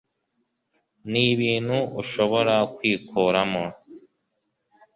nibintu ushobora kwikuramo